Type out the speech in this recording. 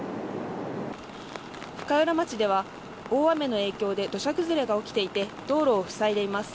深浦町では大雨の影響で土砂崩れが起きていて道路を塞いでいます。